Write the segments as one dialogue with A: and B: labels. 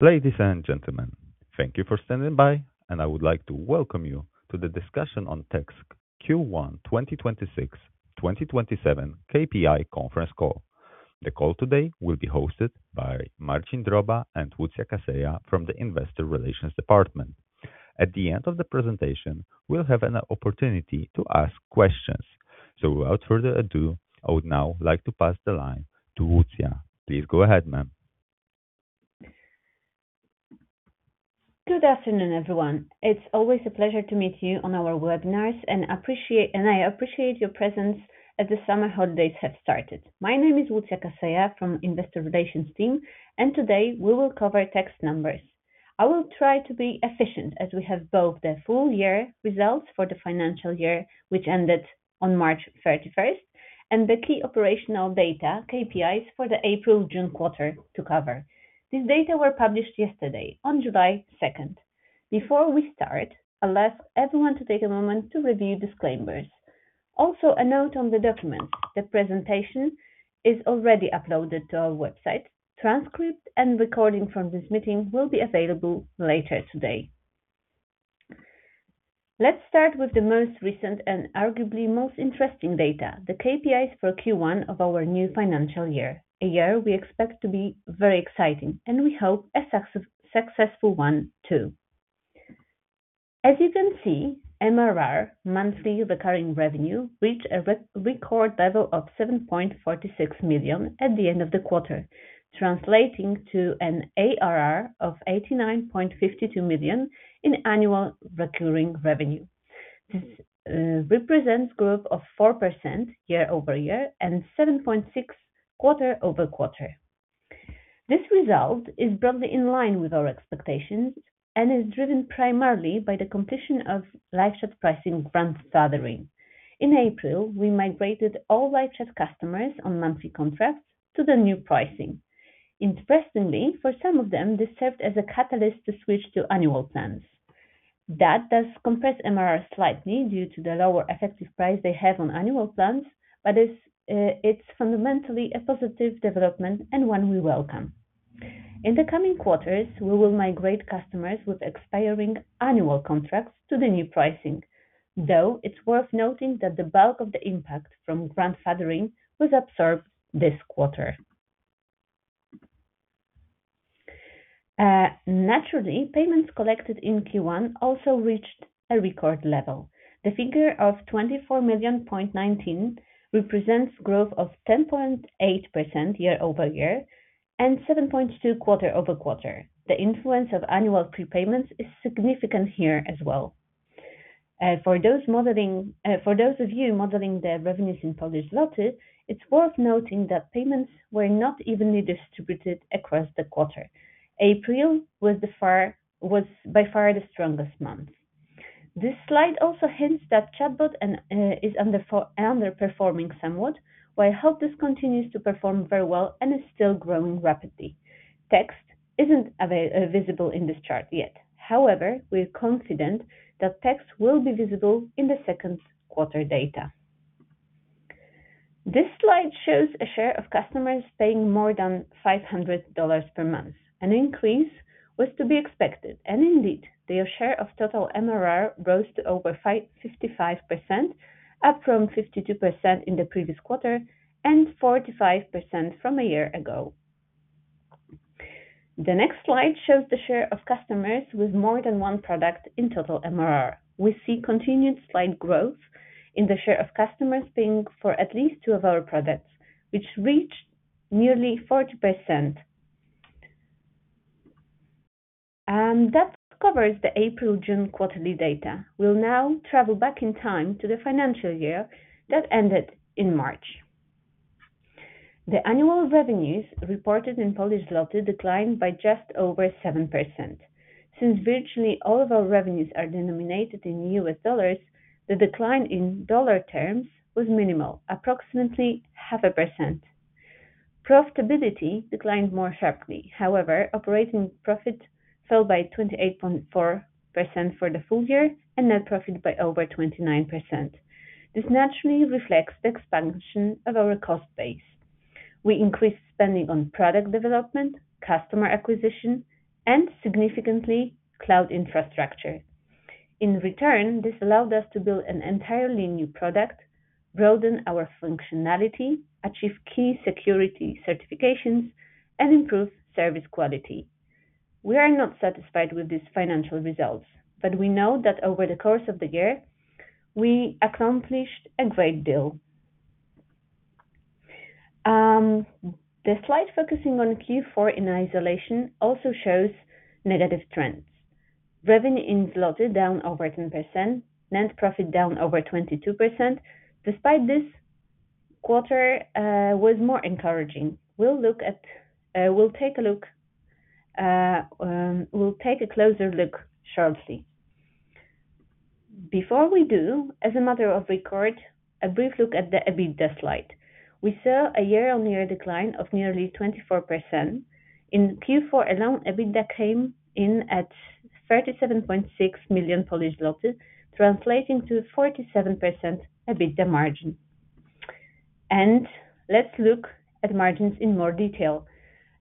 A: Ladies and gentlemen, thank you for standing by, and I would like to welcome you to the discussion on Text Q1 2026/2027 KPI conference call. The call today will be hosted by Marcin Droba and Łucja Kaseja from the Investor Relations Department. At the end of the presentation, we will have an opportunity to ask questions. Without further ado, I would now like to pass the line to Łucja. Please go ahead, ma'am.
B: Good afternoon, everyone. It is always a pleasure to meet you on our webinars, and I appreciate your presence as the summer holidays have started. My name is Łucja Kaseja from Investor Relations team, and today, we will cover Text numbers. I will try to be efficient as we have both the full-year results for the financial year, which ended on March 31st, and the key operational data, KPIs, for the April-June quarter to cover. These data were published yesterday on July 2nd. Before we start, I will ask everyone to take a moment to review disclaimers. Also, a note on the documents. The presentation is already uploaded to our website. Transcript and recording from this meeting will be available later today. Let us start with the most recent and arguably most interesting data, the KPIs for Q1 of our new financial year, a year we expect to be very exciting, and we hope a successful one, too. As you can see, MRR, monthly recurring revenue, reached a record level of $7.46 million at the end of the quarter, translating to an ARR of $89.52 million in annual recurring revenue. This represents growth of 4% year-over-year and 7.6% quarter-over-quarter. This result is broadly in line with our expectations and is driven primarily by the completion of LiveChat pricing grandfathering. In April, we migrated all LiveChat customers on monthly contracts to the new pricing. Interestingly, for some of them, this served as a catalyst to switch to annual plans. That does compress MRR slightly due to the lower effective price they have on annual plans, but it is fundamentally a positive development and one we welcome. In the coming quarters, we will migrate customers with expiring annual contracts to the new pricing, though it is worth noting that the bulk of the impact from grandfathering was absorbed this quarter. Naturally, payments collected in Q1 also reached a record level. The figure of $24.19 million represents growth of 10.8% year-over-year and 7.2% quarter-over-quarter. The influence of annual prepayments is significant here as well. For those of you modeling the revenues in Polish zloty, it is worth noting that payments were not evenly distributed across the quarter. April was, by far, the strongest month. This slide also hints that ChatBot is underperforming somewhat, while HelpDesk continues to perform very well and is still growing rapidly. Text isn't visible in this chart yet; however, we are confident that Text will be visible in the second quarter data. This slide shows a share of customers paying more than $500 per month. An increase was to be expected, and indeed, their share of total MRR rose to over 55%, up from 52% in the previous quarter and 45% from a year ago. The next slide shows the share of customers with more than one product in total MRR. We see continued slight growth in the share of customers paying for at least two of our products, which reached nearly 40%. That covers the April-June quarterly data. We will now travel back in time to the financial year that ended in March. The annual revenues reported in Polish zloty declined by just over 7%. Since virtually all of our revenues are denominated in U.S. dollars, the decline in dollar terms was minimal, approximately 0.5%. Profitability declined more sharply, however, operating profit fell by 28.4% for the full year and net profit by over 29%. This naturally reflects the expansion of our cost base. We increased spending on product development, customer acquisition, and significantly, cloud infrastructure. In return, this allowed us to build an entirely new product, broaden our functionality, achieve key security certifications, and improve service quality. We are not satisfied with these financial results, but we know that over the course of the year, we accomplished a great deal. The slide focusing on Q4 in isolation also shows negative trends. Revenue in zloty down over 10%, net profit down over 22%. Despite this, quarter was more encouraging. We will take a closer look shortly. Before we do, as a matter of record, a brief look at the EBITDA slide. We saw a year-on-year decline of nearly 24%. In Q4 alone, EBITDA came in at 37.6 million, translating to 47% EBITDA margin. Let us look at margins in more detail.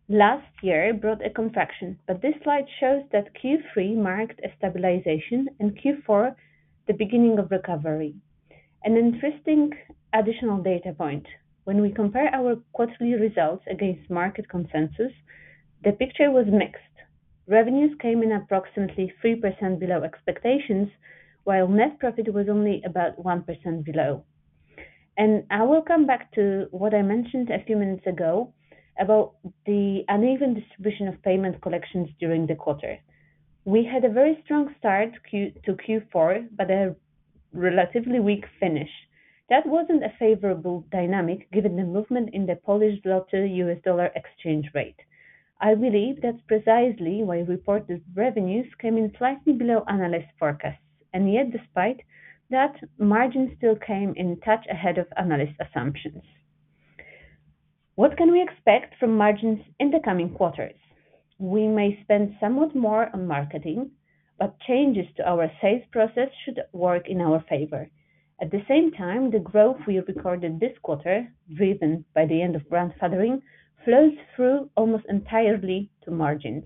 B: Last year brought a contraction, but this slide shows that Q3 marked a stabilization and Q4, the beginning of recovery. An interesting additional data point, when we compare our quarterly results against market consensus, the picture was mixed. Revenues came in approximately 3% below expectations, while net profit was only about 1% below. I will come back to what I mentioned a few minutes ago about the uneven distribution of payment collections during the quarter. We had a very strong start to Q4, but a relatively weak finish. That wasn't a favorable dynamic given the movement in the Polish zloty-U.S. dollar exchange rate. I believe that's precisely why reported revenues came in slightly below analyst forecasts. Yet, despite that, margins still came in a touch ahead of analyst assumptions. What can we expect from margins in the coming quarters? We may spend somewhat more on marketing, but changes to our sales process should work in our favor. At the same time, the growth we recorded this quarter, driven by the end of grandfathering, flows through almost entirely to margins.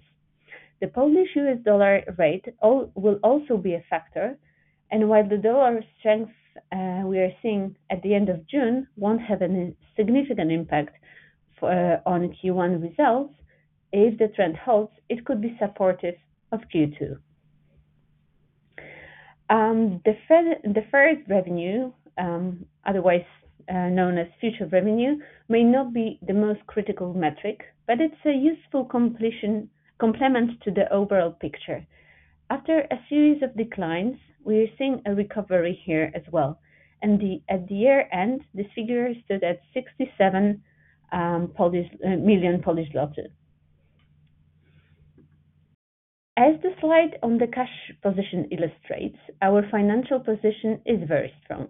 B: The Polish-U.S. dollar rate will also be a factor, and while the dollar strength we are seeing at the end of June will not have any significant impact on Q1 results, if the trend holds, it could be supportive of Q2. Deferred revenue, otherwise known as future revenue, may not be the most critical metric, but it is a useful complement to the overall picture. After a series of declines, we are seeing a recovery here as well. At the year-end, the figure stood at 67 million. As the slide on the cash position illustrates, our financial position is very strong.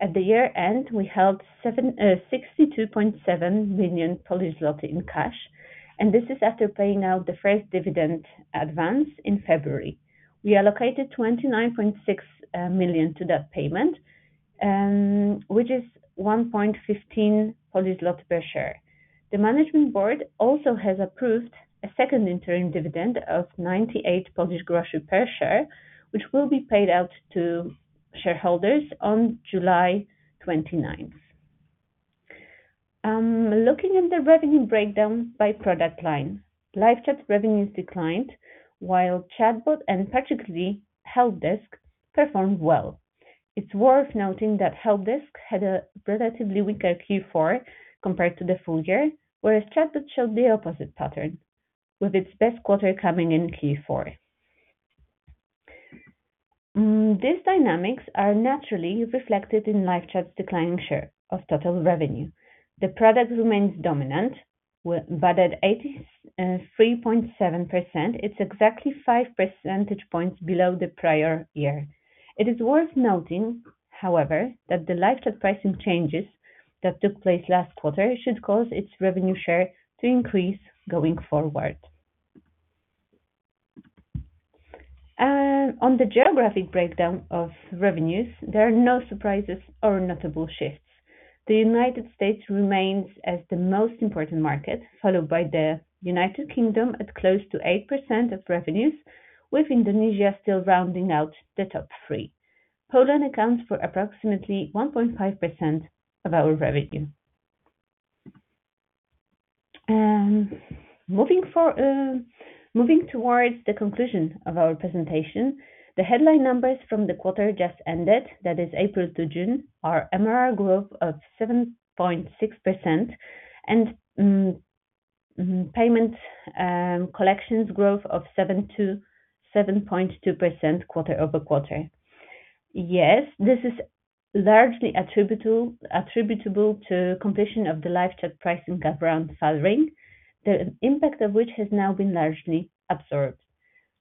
B: At the year-end, we held 62.7 million Polish zloty in cash, and this is after paying out the first dividend advance in February. We allocated 29.6 million to that payment, which is 1.15 per share. The management board also has approved a second interim dividend of 0.98 per share, which will be paid out to shareholders on July 29th. Looking at the revenue breakdown by product line, LiveChat's revenues declined while ChatBot and particularly HelpDesk performed well. It's worth noting that HelpDesk had a relatively weaker Q4 compared to the full year, whereas ChatBot showed the opposite pattern, with its best quarter coming in Q4. These dynamics are naturally reflected in LiveChat's declining share of total revenue. The product remains dominant, at 83.7%, it's exactly 5 percentage points below the prior year. It is worth noting, however, that the LiveChat pricing changes that took place last quarter should cause its revenue share to increase going forward. On the geographic breakdown of revenues, there are no surprises or notable shifts. The United States remains as the most important market, followed by the United Kingdom at close to 8% of revenues, with Indonesia still rounding out the top three. Poland accounts for approximately 1.5% of our revenue. Moving towards the conclusion of our presentation, the headline numbers from the quarter just ended, that is April-June, are MRR growth of 7.6% and payment collections growth of 7.2% quarter-over-quarter. This is largely attributable to completion of the LiveChat pricing gap around grandfathering, the impact of which has now been largely absorbed.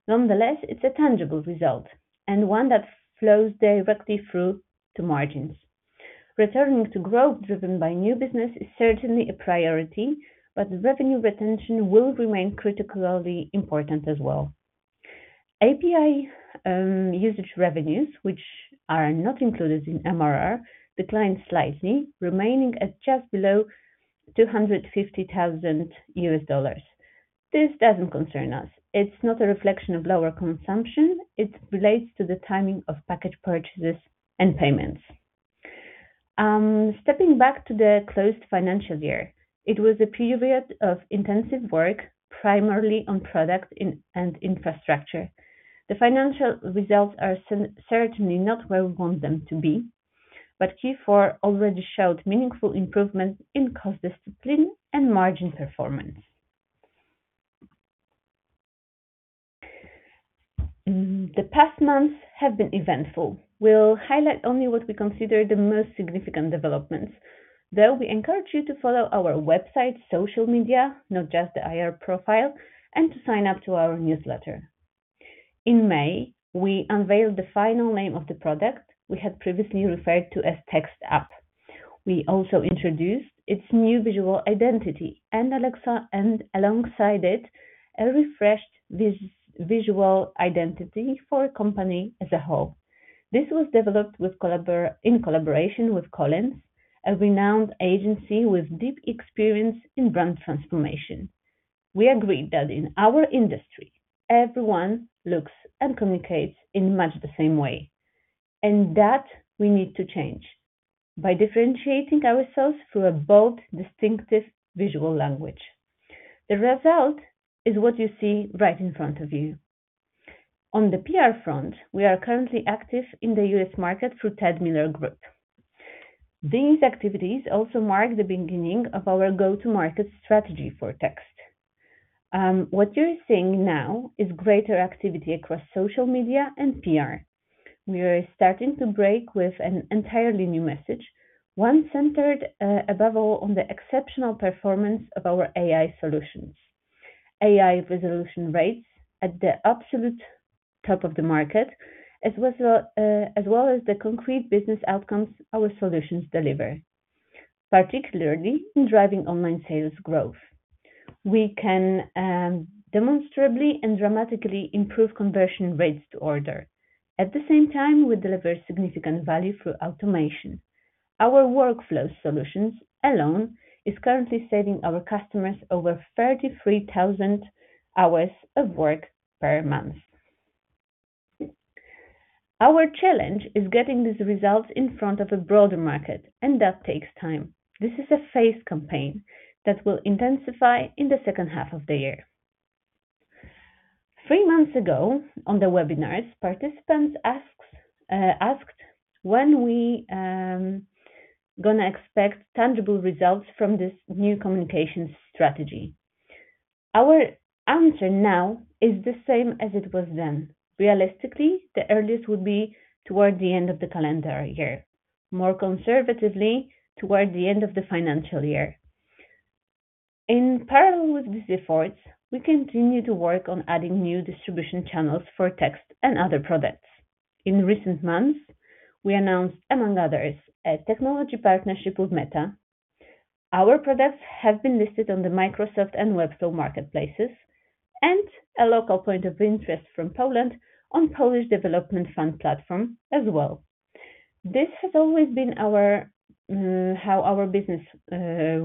B: Nonetheless, it's a tangible result and one that flows directly through to margins. Returning to growth driven by new business is certainly a priority, but revenue retention will remain critically important as well. API usage revenues, which are not included in MRR, declined slightly, remaining at just below $250,000. This doesn't concern us. It's not a reflection of lower consumption. It relates to the timing of package purchases and payments. Stepping back to the closed financial year, it was a period of intensive work, primarily on product and infrastructure. The financial results are certainly not where we want them to be, but Q4 already showed meaningful improvements in cost discipline and margin performance. The past months have been eventful. We'll highlight only what we consider the most significant developments, though we encourage you to follow our website, social media, not just the IR profile, and to sign up to our newsletter. In May, we unveiled the final name of the product we had previously referred to as Text App. We also introduced its new visual identity and alongside it, a refreshed visual identity for company as a whole. This was developed in collaboration with COLLINS, a renowned agency with deep experience in brand transformation. We agreed that in our industry, everyone looks and communicates in much the same way, and that we need to change by differentiating ourselves through a bold, distinctive visual language. The result is what you see right in front of you. On the PR front, we are currently active in the U.S. market through Ted Miller Group. These activities also mark the beginning of our go-to-market strategy for Text. What you're seeing now is greater activity across social media and PR. We are starting to break with an entirely new message, one centered above all on the exceptional performance of our AI solutions. AI resolution rates at the absolute top of the market, as well as the concrete business outcomes our solutions deliver, particularly in driving online sales growth. We can demonstrably and dramatically improve conversion rates to order. At the same time, we deliver significant value through automation. Our workflow solutions alone is currently saving our customers over 33,000 hours of work per month. Our challenge is getting these results in front of a broader market, and that takes time. This is a phase campaign that will intensify in the second half of the year. Three months ago, on the webinars, participants asked when we are going to expect tangible results from this new communications strategy. Our answer now is the same as it was then. Realistically, the earliest would be toward the end of the calendar year, more conservatively toward the end of the financial year. In parallel with these efforts, we continue to work on adding new distribution channels for Text and other products. In recent months, we announced, among others, a technology partnership with Meta. Our products have been listed on the Microsoft and Webflow marketplaces, and a local point of interest from Poland on Polish Development Fund platform as well. This has always been how our business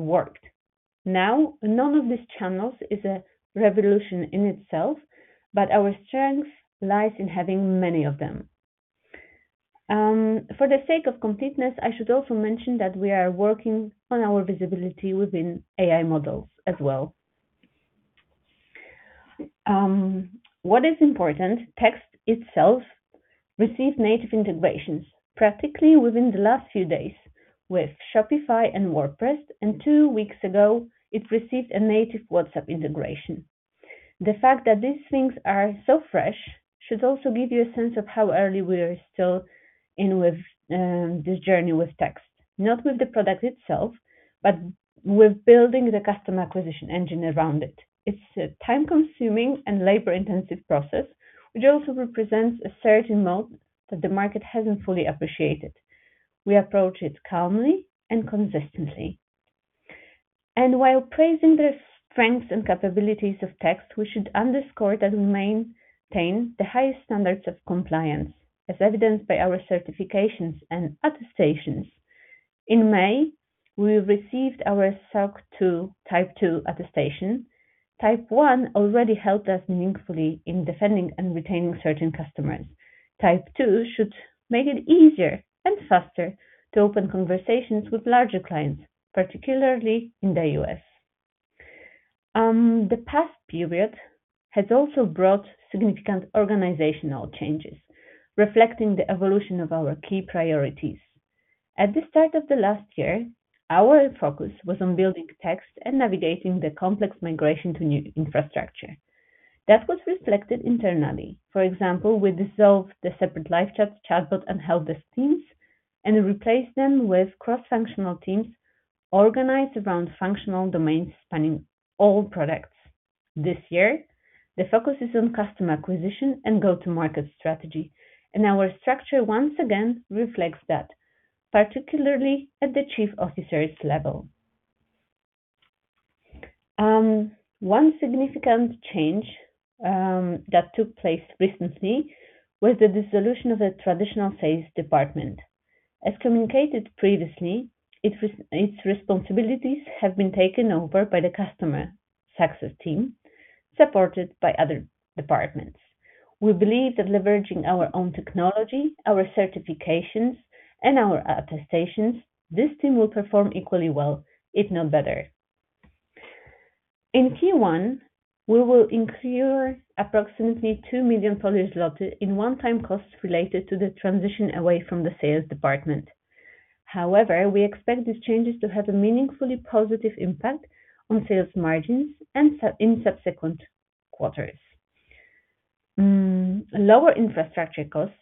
B: worked. None of these channels is a revolution in itself, but our strength lies in having many of them. For the sake of completeness, I should also mention that we are working on our visibility within AI models as well. What is important, Text itself received native integrations practically within the last few days with Shopify and WordPress, and two weeks ago, it received a native WhatsApp integration. The fact that these things are so fresh should also give you a sense of how early we are still in with this journey with Text, not with the product itself, but with building the customer acquisition engine around it. It's a time-consuming and labor-intensive process, which also represents a certain moat that the market hasn't fully appreciated. We approach it calmly and consistently. And while praising the strengths and capabilities of Text, we should underscore that we maintain the highest standards of compliance, as evidenced by our certifications and attestations. In May, we received our SOC 2 Type 2 attestation. Type 1 already helped us meaningfully in defending and retaining certain customers. Type 2 should make it easier and faster to open conversations with larger clients, particularly in the U.S. The past period has also brought significant organizational changes, reflecting the evolution of our key priorities. At the start of the last year, our focus was on building Text and navigating the complex migration to new infrastructure. That was reflected internally. For example, we dissolved the separate LiveChat, ChatBot, and HelpDesk teams and replaced them with cross-functional teams organized around functional domains spanning all products. This year, the focus is on customer acquisition and go-to-market strategy, and our structure once again reflects that, particularly at the chief officers' level. One significant change that took place recently was the dissolution of a traditional sales department. As communicated previously, its responsibilities have been taken over by the customer success team, supported by other departments. We believe that leveraging our own technology, our certifications, and our attestations, this team will perform equally well, if not better. In Q1, we will incur approximately 2 million Polish zloty in one-time costs related to the transition away from the sales department. However, we expect these changes to have a meaningfully positive impact on sales margins and in subsequent quarters. Lower infrastructure costs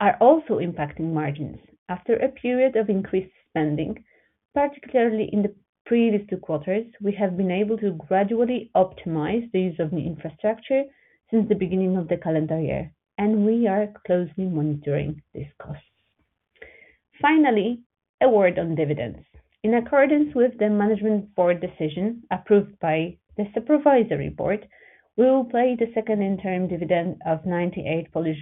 B: are also impacting margins. After a period of increased spending, particularly in the previous two quarters, we have been able to gradually optimize the use of new infrastructure since the beginning of the calendar year, and we are closely monitoring these costs. Finally, a word on dividends. In accordance with the management board decision, approved by the supervisory board, we will pay the second interim dividend of 0.98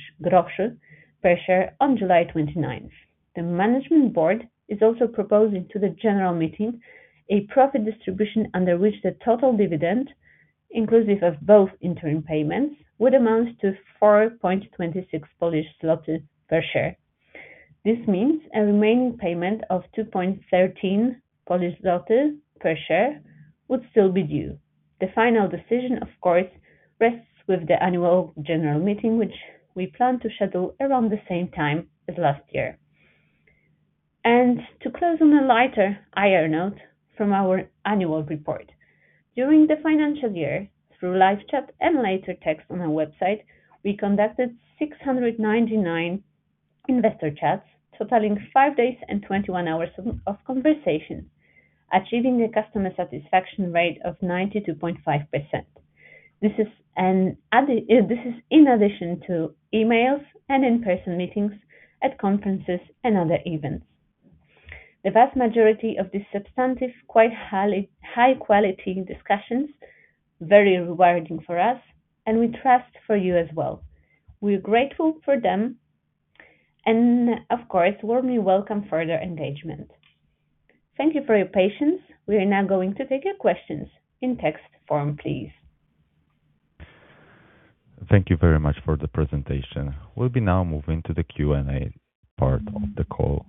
B: per share on July 29th. The management board is also proposing to the general meeting a profit distribution under which the total dividend, inclusive of both interim payments, would amount to 4.26 Polish zlotys per share. This means a remaining payment of 2.13 Polish zlotys per share would still be due. The final decision, of course, rests with the annual general meeting, which we plan to schedule around the same time as last year. To close on a lighter, IR note from our annual report. During the financial year, through LiveChat and later Text on our website, we conducted 699 investor chats, totaling five days and 21 hours of conversation, achieving a customer satisfaction rate of 92.5%. This is in addition to emails and in-person meetings at conferences and other events. The vast majority of these substantive, quite high-quality discussions, very rewarding for us, and we trust for you as well. We are grateful for them and, of course, warmly welcome further engagement. Thank you for your patience. We are now going to take your questions in text form, please.
A: Thank you very much for the presentation. We will be now moving to the Q&A part of the call.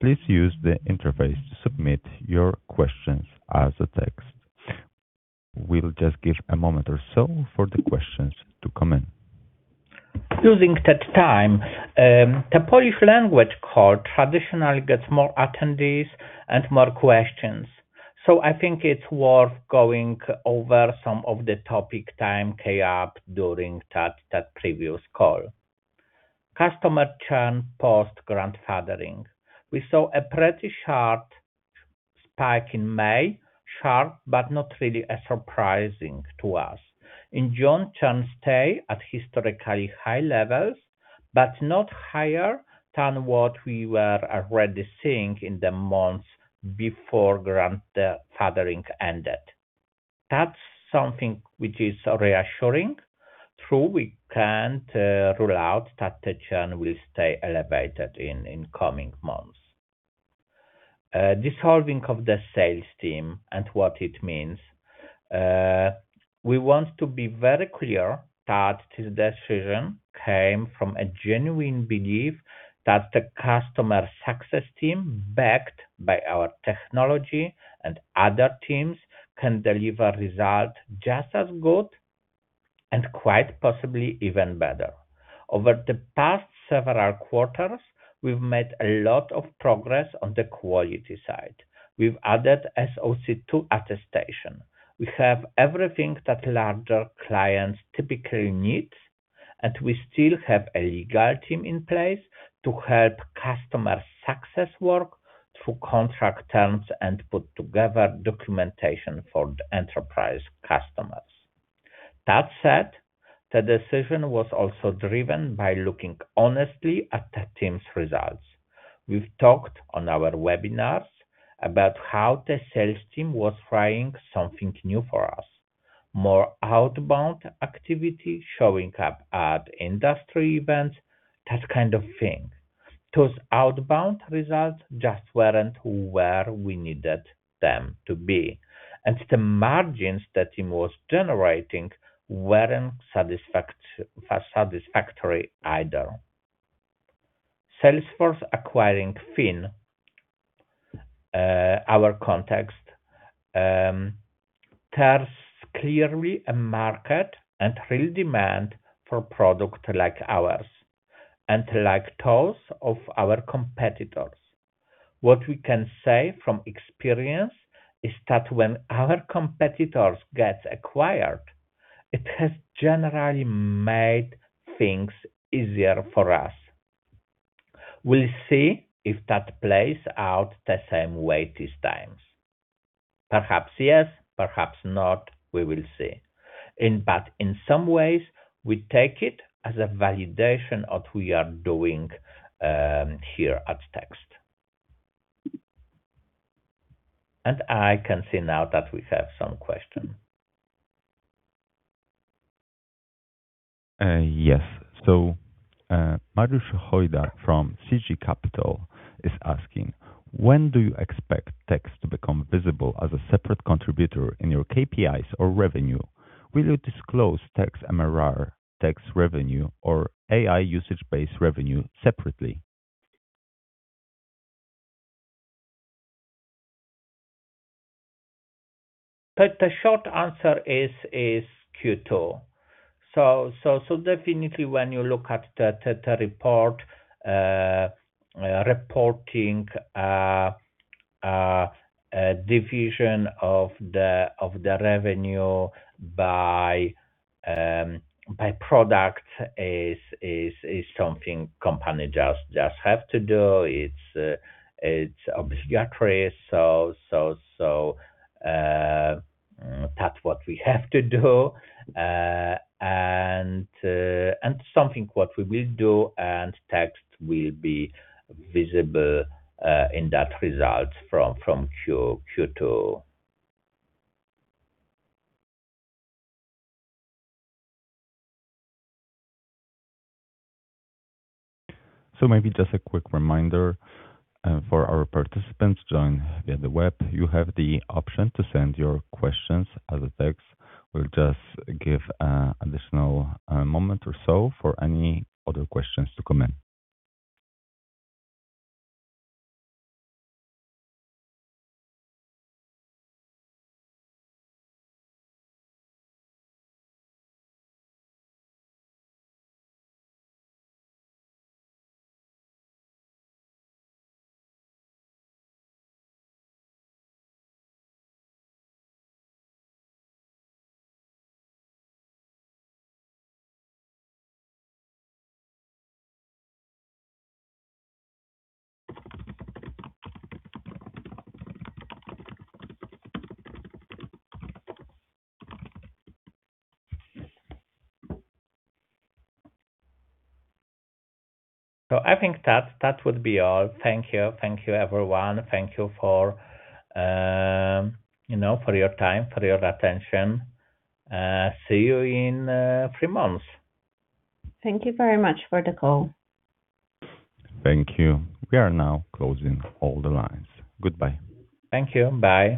A: Please use the interface to submit your questions as a text. We will just give a moment or so for the questions to come in
C: Using that time, the Polish language call traditionally gets more attendees and more questions, so I think it's worth going over some of the topic that came up during that previous call. Customer churn post-grandfathering. We saw a pretty sharp spike in May, sharp but not really surprising to us. In June, churn stayed at historically high levels, but not higher than what we were already seeing in the months before grandfathering ended. That's something which is reassuring, though we can't rule out that the churn will stay elevated in coming months. Dissolving of the sales team and what it means. We want to be very clear that this decision came from a genuine belief that the customer success team, backed by our technology and other teams, can deliver results just as good and quite possibly even better. Over the past several quarters, we've made a lot of progress on the quality side. We've added SOC 2 attestation. We have everything that larger clients typically need, and we still have a legal team in place to help customer success work through contract terms and put together documentation for the enterprise customers. That said, the decision was also driven by looking honestly at the team's results. We've talked on our webinars about how the sales team was trying something new for us, more outbound activity, showing up at industry events, that kind of thing. Those outbound results just weren't where we needed them to be, and the margins the team was generating weren't satisfactory either. Salesforce acquiring Fin. Our context. There's clearly a market and real demand for products like ours and like those of our competitors. What we can say from experience is that when our competitors get acquired, it has generally made things easier for us. We'll see if that plays out the same way this time. Perhaps yes, perhaps not, we will see. In fact, in some ways, we take it as a validation of what we are doing here at Text. I can see now that we have some questions.
A: Yes. Mariusz Hojda from CG Capital is asking, when do you expect Text to become visible as a separate contributor in your KPIs or revenue? Will you disclose Text MRR, Text revenue, or AI usage-based revenue separately?
C: The short answer is Q2. Definitely, when you look at the report, reporting division of the revenue by product is something company just have to do. It's obligatory, so that's what we have to do, and something what we will do, and Text will be visible in that result from Q2.
A: Maybe just a quick reminder for our participants joined via the web. You have the option to send your questions as a text. We'll just give an additional moment or so for any other questions to come in.
C: I think that would be all. Thank you. Thank you, everyone. Thank you for your time, for your attention. See you in three months.
B: Thank you very much for the call.
A: Thank you. We are now closing all the lines. Goodbye.
C: Thank you. Bye.